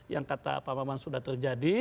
yang kata pak bambang sudah terjadi